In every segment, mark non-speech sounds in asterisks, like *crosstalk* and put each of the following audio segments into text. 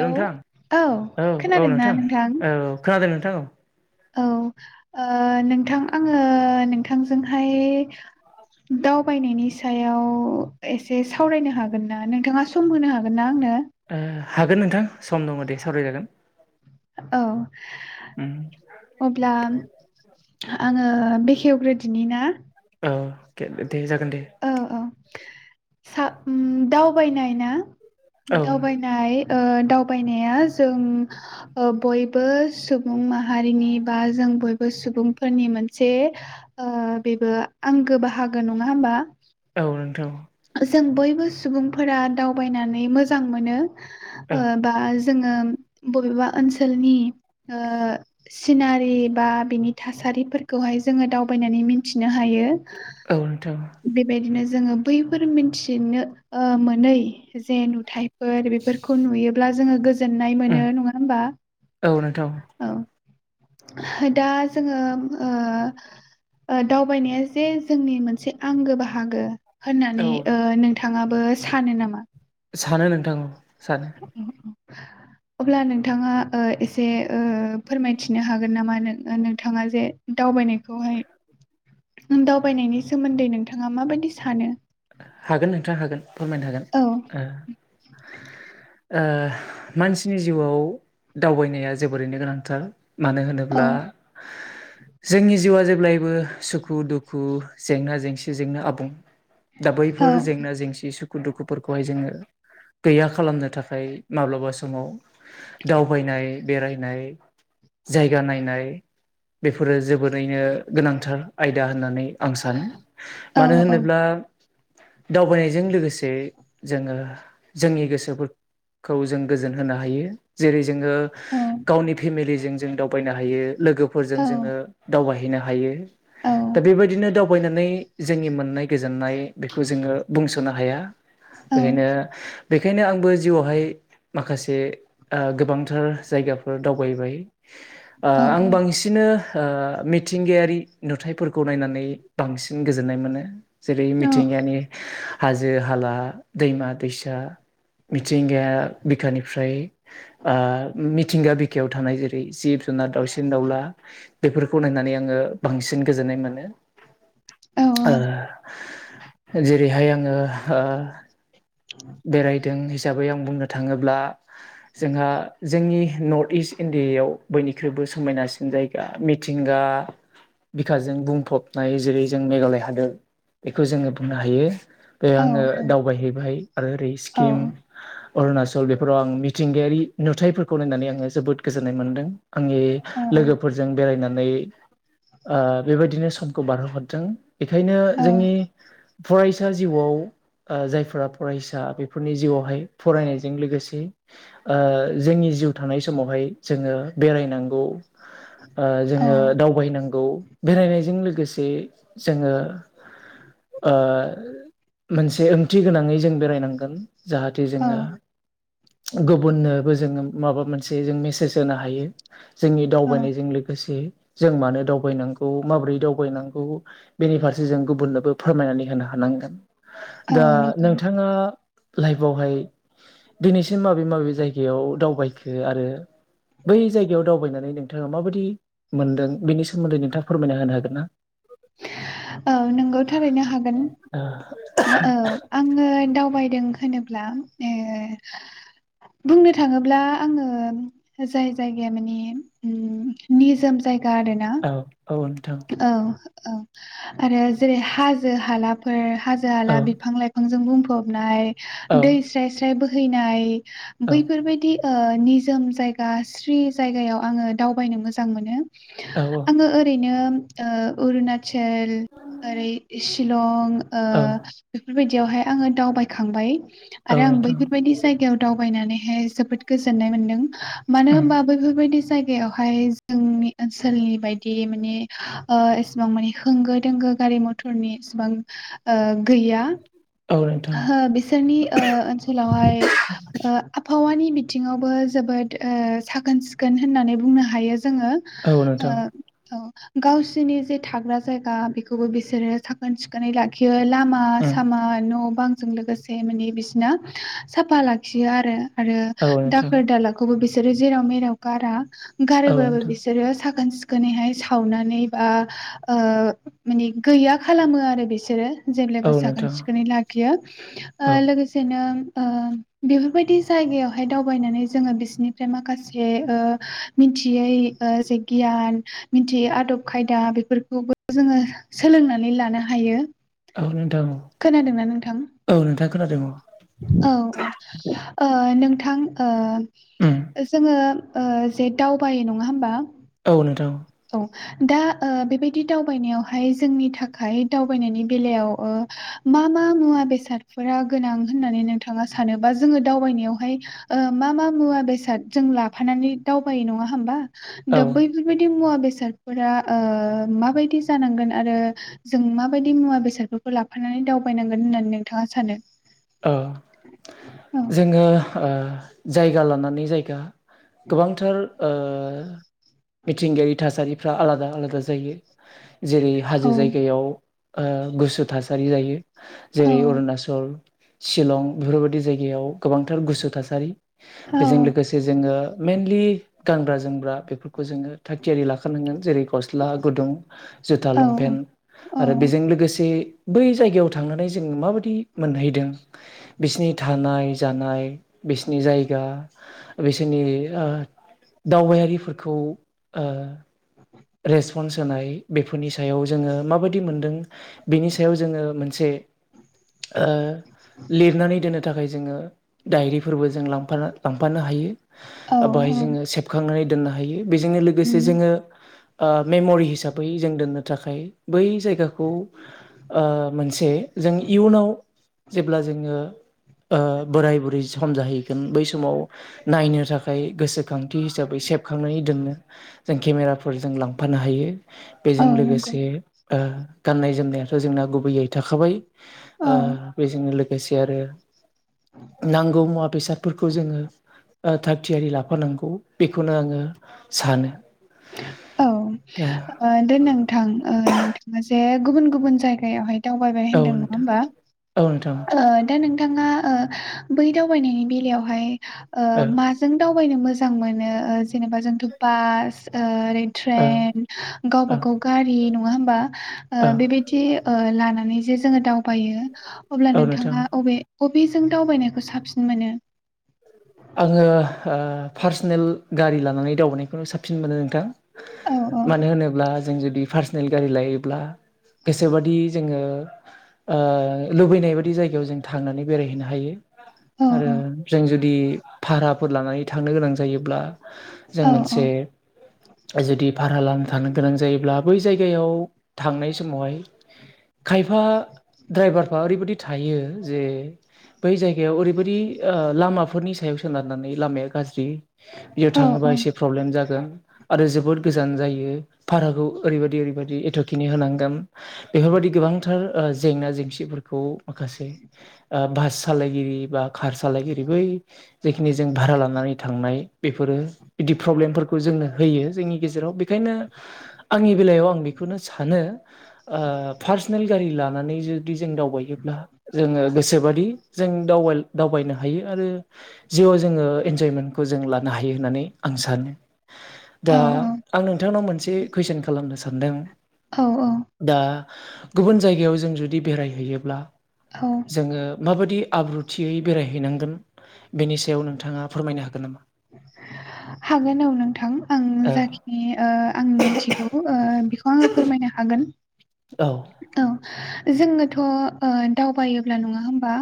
Hello नोंथां औ औ नोंथां औ खोनादों नोंथां औ औ ओ नोंथां आङो नोंथांजोंहाय दावबायनायनि सायाव एसे सावरायनो हागोन ना नोंथाङा सम होनो हागोन ना आंनो ओ हागोन नोंथां सम दङ दे सावरायजागोन औ उम अब्ला आङो बेखेवग्रोदोनि ना औ दे जागोन दे औ सा उम दावबायनायना औ दावबायनाय‌ ओ दावबायनाया जों ओ बयबो सुबुं माहारिनि बा जों बयबो सुबुंफोरनि मोनसे ओ बेबो आंगो बाहागो नङा होमबा औ नों *unintelligible* जों बयबो सुबुंफोरा दावबायनानै मोजां मोनो औ ओ बा जोङो बबेबा ओनसोलनि ओ सिनारि बा बिनि थासारिफोरखौहाय जोङो दावबायनानै मिथिनो हायो औ नोंथां बेबायदिनो जोङो बैफोर मिन्थिनो ओ मोनै जे नुथाइफोर बेफोरखौ नुयोब्ला जोङो गो जोननाय उम मोनो नङा होमबा औ नोंथां औ दा जोङो ओ दावबायनाया जे जोंनि मोनसे आंगो बाहागो। होननानै औ नोंथाङाबो सानो नामा? सानो नोंथां, ओम सानो। *unintelligible* अब्ला नोंथाङा ओ एसे ओ फोरमायथिनो हागोन नामा नो नों नोंथाङा जे दाव दावबायनायखौहाय दावबायनायनि सोमोन्दै नोंथाङा माबायदि सानो। हागोन नोंथां हागोन फोरमायनो हागोन। औ ओ ओह मानसिनि जिउआव दावबायनाया जोबोरैनो गोनांथार। मानो औ होनोब्ला जोंनि जिउआ जेब्लायबो सुखु-दुखु, जेंना-जेंसिजोंनो आबुं। दा औ बैफोर जेंना जेंसि सुख दुखुफोरखौहाय जोङो गैया खालामनो थाखाय माब्लाबा समाव दावबायनाय बेराय नाय जायगा नायनाय बेफोरो जोबोरैनो गोनांथार आय दा होननानै आं सानो। औ मानो औ होनोब्ला दावबायनायजों लोगोसे जोङो जोंनि गोसोफोर खौ जों गोजोन होनो हायो। जेरै जोङो औ गावनि फेमिलिजों जों दावबायनो हायो। लोगोफोरजों औ जोङो दावबायहैनो हायो औ दा बेबायदिनो दावबायनानै जोंनि मोननाय गोजोननाय बेखौ जोङो बुंस'नो हाया। औ बेखायनो बेखायनो आंबो जिउआवहाय माखासे ओह गोबांथार जायगाफोर दावबायबाय। ओह औ आं बांसिनो ओह मिथिंगायारि नुथायफोरखौ नायनानै बांसिन गोजोननाय मोनो। जे औ मिथिंगानि हाजो-हाला, दैमा-दैसा मिथिंगाया बिखानिफ्राय ओह मिथिंगा बिखायाव थानाय जेरै जिब जुनाद, दाउसिन-दाउला बेफोरखौ नायनानै आङो बांसिन गोजोननाय मोनो। औ ओह जेरैहाय आङो ओह बेरायदों हिसाबै आं बुंनो थाङोब्ला जोंहा जोंनि नर्थ इस्ट इण्डियायाव बयनिख्रुइबो समायनासिन जायगा मिथिंगा बिखाजों बुंफबनाय जेरै जों मेघालय हादोर बेखौ जोङो बुंनो हायो। बे औ आङो दावबायहैबाय आरो ओरै स्किम अरुणाचल बेफोराव आं मिथिंगायारि नुथायफोरखौ नायनानै आङो जोबोद गोजोननाय मोनदों। आंनि लोगोफोरजों बेरायना नै ओ बेबायदिनो समखौ बारहोहरदों। बेखायनो औ जोंनि फरायसा जिउआव ओ जायफ्रा फरायसा बेफोरनि जिउआवहाय फरायनायजों लोगोसे ओ जोंनि जिउ थानाय समावहाय बे जोङो बेरायनांगौ। *inaudible* ओ जोङो दावबायनांगौ बेरायनायजों लोगोसे जोङो ओ मोनसे ओंथि गोनाङै जों बेरायनांगोन जाहाथे औ जोङो गुबुननोबो जोङो माबा मोनसे जों मेसेज होनो हायो। जोंनि औ दावबायनायजों लोगोसे जों मानो दावबायनांगौ माबोरै दावबायनांगौ बेनि फारसे जों गुबुननोबो फोरमायनानै होनो हानाय नांगोन औ दा नंगौ नोंथाङा लाइफआवहाय दिनैसिम माबे माबे जायगायाव दावबायखो आरो बै जायगायाव दावबायनानै नोंथाङा माबायदि मोन्दों बेनि सोमोन्दै नोंथाङा फोरमायना होनो हागोन ना औ नोंगौ थारैनो हागोन। औ आङो दावबायदों होनोब्ला ए बुंनो थाङोब्ला आङो जाय जायगाया माने निजोम जायग गा आरो ना औ औ नोंथां औ। औ आरो जेरै हाजो हालाफोर हाजो हाला औ बिफां लाइफांजों बुं फबनाय औ दै स्राय स्राय बोहैनाय औ बैफोरबायदि ओ निजोम जायगा स्रि जायगायाव आङो दावबायनो मोजां मोनो। औ आङो ओरैनो ओ अरुना चोल ओरै शिलं ओ औ बेफोरबायदियावहाय आङो दावबायखांबाय औ आरो आं नोंथां बैफोरबायदि जायगायाव दाव बायनानैहाय जोबोद गोजोन्नाय मोन्दों मानो होमबा बैफोरबायदि जाय गायावहाय जोंनि ओनसोलनि बायदि माने आ एसेबां माने होंगो दोंगो गा गारि मथरनि एसेबां ओ गैया। औ नोंथां हो बिसोरनि ओ ओनसोलावहाय ओ आबहा आबहावानि बिथिङावबो जोबोद ओ साखोन सिखोन होननानै बुंनो हायो। जोङो औ ओ नोंथां औ। गावसोनि जे थाग्रा जायगा बेखौबो बिसोरो साखोन सिखोनै लाखियो। लामा सामा न' बांजों लोगोसे माने बिसिना साफा लाखियो आरो आरो औ नोंथां दाखोर दालाखौबो बिसोरो जेराव मेराव गारा औ गारोबाबबो नोंथां बिसोरो साखोन सिख सिखोनैहाय सावनानै बा ओ मानि गैया खालामो आरो बिसोरो। औ जेब्लायबो साखोन नोंथां सिखोनै लाखियो ओ औ लोगोसेनो ओ बेफोरबायदि जायगायावहाय दावबायनानै जोङो बिसोरनिफ्राय माखासे ओ मिनथियै ओ जे गियान मिथियै आदब खायदा बेफोरखौबो जोङो सोलोंनानै लानाय हायो। औ नोंथां खोनादोंना नोंथां? औ औ नोंथां खोनादों औ। औ औ ओ नोंथां ओ उम ओ जोङो ओ जे दावबायो नङा होमबा। औ नोंथां औ। दा ओ बेबायदि दावबायनायावहाय जोंनि थाखाय दावबायनायनि बेलायाव ओ मा मा मुवा बेसादफोरा गोनां होननानै नोंथाङा सानोबा जोङो दावबायनायावहाय ओ मा मा मा मुवा बेसाद जों लाफानानै दावबायो नङा होमबा औ दा बै मुवा बेसादफोरा ओ माबायदि जानांगोन आरो जों माबायदि मुवा बेसादफोर खौ लाफानानै दावबायनांगोन होननानै नोंथाङा सानो? ओ औ जोङो आ जायगा लानानै जायगा। गोबांथार ओ मिथिंगायारि थासारिफ्रा आलादा आलादा जायो। जेरै औ हाजो जायगायाव आ गुसु थासारि जायो जेरै अरुनाचल शिलं बेफोरबायदि जायगायाव गोबांथार गुसु थासारि औ बेजों लोगोसे जोङो मेनलि गानग्रा जोमग्रा बेफोरखौ जोङो थियारि लाखानांगोन जेरै गस्ला गुदुं जुथा औ लंपेन्ट ओ आरो बेजों लोगोसे बै जायगायाव थांनानै जों माबादि मोनहैदों बिसिनि थानाय जानाय बिसनि जायगा बिसोरनि आ दावबायारिफोरखौ आ रेसपन्स होनाय बेफोरनि सायाव जोङो माबायदि मोनदों बेनि सायाव जोङो मोनसे *inaudible* आ लिरनानै दोननो थाखाय जोङो डायरिफोरबो जों लांफा लांफानो हायो। औ आ बाहाय जोङो औ सेबखांनानै दोननो हायो बेजोंनो लोगोसे जोङो आ मेम'रि हिसाबै जों दोननो थाखाय बै जायगाखौ आ मोनसे जों इयुनाव जेब्ला जोङो ओ बोराय बुरै सम जाहैगोन बै समाव नायनो थाखाय गोसोखां थि हिसाबै सेबखांनानै दोननो जों केमेराफोर जों लांफानो हायो औ बेजों नंगौ लोगोसे ओ गाननाय जोमनायाथ' जोंना गुबैयै थाखाबाय औ ओ बेजोंनो लो गोसे आरो नांगौ मुवा बेसादफोरखौ जोङो ओ थाग थियारि लाफानांगौ बेखौनो आङो सानो औ ओ दे नोंथां नोंथाङा जे गुबुन गुबुन जायगायावहाय दावबायबाय ओ औ होनदों नङा नोंथां होमबा औ नोंथां ओ दा नोंथाङा ओ बै दावबायनायनि बेलायावहाय ओ माजों दावबायनो मो जां मोनो ओ जेनेबा बास ओ ओ ट्रेन गावबा औ गाव गारि नङा होनबा ओ औ बेबायदि ओ लाना नै जे जोङो दावबायो अब्ला औ नोंथां नोंथाङा अबे अबिजों दावबायनायखौ साबसिन मोनो आङो ओ पार्सनेल गारि लानानै दावबनायखौनो साबसिन मोनो नोंथां औ मानो होनोब्ला जों जुदि पार्सनेल गारि लायोब्ला गोसोबादि जोङो ओ लुबैनाय बायदि जायगायाव जों थांनानै बेरायहैनो हायो औ आरो जों जुदि भाराफोर लानानै थांनो गोनां जायोब्ला जों औ मोनसे जुदि भारा लाना थानो गोनां जायोब्ला बै जायगायाव थांनाय समावहाय खायफा द्रायभारफ्रा ओरैबायदि थायो जे बै जायगायाव ओरैबायदि ओ लामाफोरनि सायाव सोनारनानै लामाया गाज्रि बियाव औ थाङोबा एसे प्रब्लेम जागोन आरो जोबोद गोजान जायो भाराखौ ओरैबायदि ओरैबायदि एथ'खिनि होनांगोन बेफोरबायदि गोबांथार ओ जेंना जेंसिफोरखौ माखासे बास सालायगिरि बा कार सालायगिरि बै जेखिनि जों भारा लानानै थांनाय बेफोरो बिदि प्रब्लेमफोरखौ जोंनो होयो जोंनि गेजेराव बेखाय नो आंनि बेलायाव आं बेखौनो सानो ओ पार्सनेल गारि लानानै जु दि जों दावबायोब्ला जोङो गोसोबादि जों दावबाय दावबायनो हायो आरो जिउआव जोङो इन्जयमेन्टखौ जों लानो हायो होननानै आं सानो औ दा आं नोंथांनाव मोनसे कुइसन खालामनो सानदों औ औ दा गुबुन जायगायाव जों जुदि बेरायहैयोब्ला औ जोङो माबायदि आब्रुथियै बेरायहैनांगोन बेनि सायाव नोंथाङा फोरमायनो हागोन नामा हागोन औ नोंथां आं औ जाखिनि ओ आं मिथिगौ ओ बे खौ आङो फोरमायनो हागोन औ औ जोङोथ' ओ दावबायोब्ला नङा होमबा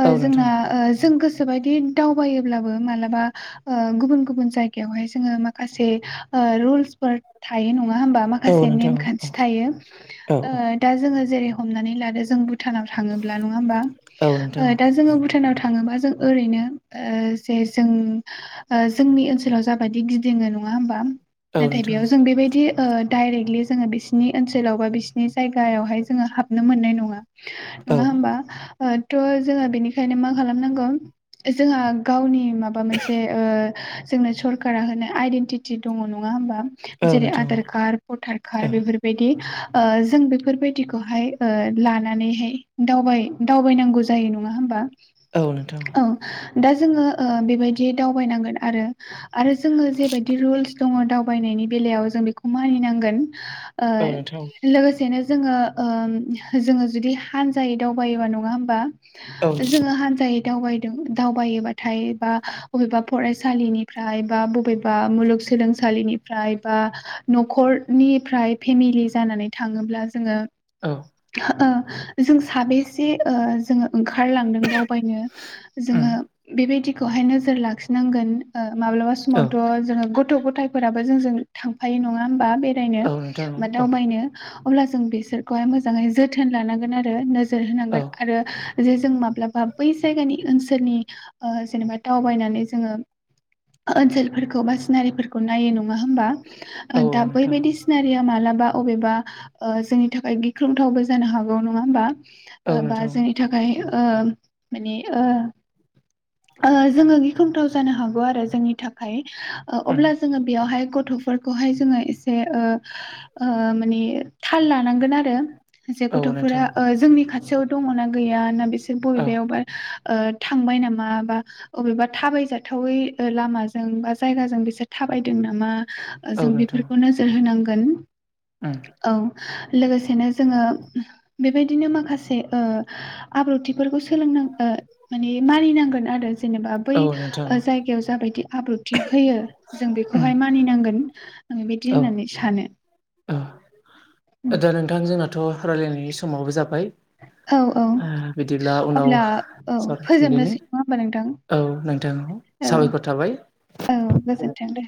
ओ औ जोंना नोंथां ओ जों गो सोबायदि दावायोब्लाबो मालाबा ओ गुबुन गुबुन जायगायावहाय जोङो माखासे ओ रुल्सफोर थायो नङा होमबा औ माखासे नोंथां औ नेन्थि-खान्थि औ ओ दा जोङो जेरै हमनानै लादो जों भुटानाव थाङोब्ला नङा होमबा औ ओ नोंथां दा जोङो भुटानाव था थाङोबा जों ओरैनो ओ जे जों ओ जोंनि ओनसोलाव जाबायदि गिदिङो न ङा होनबा औ नाथाय नोंथां बेयाव जों बेबायदि ओ दायरेकलि जोङो बिसिनि ओनसोलाव बा बिसि नि जायगायावहाय जोङो हाबनो मोननाय नङा औ नङा होमबा थ' जोङो बेनिखायनो मा खालामनांगौ जोंहा गावनि माबा मोनसे ओ जोंनो सरकारा होनाय आइदेेनटिति दङ नङा होमबा औ जेरै नोंथां आधार कार्ड भटार कार्ड औ बेफोरबायदि ओ जों बेफोरबायदिखौहाय ओ लानानैहाय दावबाय दावबायनांगौ जायो नङा होमबा औ नोंथां औ दा जोङो ओ बेबायदि दावबायनांगोन आरो आरो जोङो जेबायदि रुल्स दङ दावबायनायनि बेलायाव जों बेखौ मानिनांगोन ओ औ नोंथां लोगोसेनो जोङो जोङो जुदि हानजायै दावबायोबा नङा होमबा औ जोङो हानजायै दावायोबाथाय बा बबेबा फरायसालिनिफ्राय बा बबेबा मुग सोलोंसालिनिफ्राय बा‌ नखरनिफ्राय फेमिलि जाना नै थांङोब्ला जोंङो औ ओ जों साबैसे ओ जोंङो ओंखारलांदों दावबायनो जोङो उम बेबायदिखौहाय नोजोर लाखिनांगोन माब्लाबा औ समावथ जोङो गथ गथायफोराबो जोंजों थांफायो नङा होमबा बेरायनो औ नोंथां औ दावबायनो अब्ला जोंङो बेफोरखौहाय जोथोन लानांगोन‌ आरो जाय नोजोर औ होनांगोन आरो जे जों माब्लाबा बै जायगानि ओनसोलनि जेनेबा दावबायनानै जोङो ओनसोलफोरखौ बा सिनारिफोरखौ नायो नङा होमबा औ दा बै नोंथां बायदि सिनारिया मालाबा बा बबेबा जोंनि थाखाय गिख्रंथावबो जानो हागौ नङा होमबा औ बा नोंथां जोंनि थाखाय ओ माने ओ ओ जोङो गिख्रंथाव जानो हागौ आरो जोंनि थाखाय उम अब्ला जोङो बेयावहाय गथफोरखौहाय जोङो एसेओ ओ माने थाल लानांगोन आरो जे औ गथफोरा नोंथां ओ जोंनि खाथियाव दङना गैया ना बिसोर औ बबेबायावबा ओ थांबाय नामा बा अबेबा थाबाय जाथावै लामाजों बा जायगाजों बिसोर थां थाबायदों नामा औ जों नोंथां बेफोरखौ नोजोर होनांगोन उम औ लोगोसेनो जोङो बेबायदिनो माखासे ओ आब्रुथिफोरखौ सोलोंन माने मानिनांगोन आरो जेनेबा बै औ नोंथां जायगायाव जाबायदि आब्रुथि होयो जों उम बेखौहाय मानिनांगोन आं बेबायदि होननानै सानो आदा नोंथां जोंनाथ राय्लायनायनि समावबो जाबाय औ औ बिदिब्ला उनाव अब्ला औ सार उन्दैनि फोजोबनोसै नङा होमबा नोंथां औ ना दा औ साबायखर थाबाय औ गोजोनथों दे